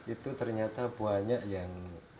itu ternyata banyak yang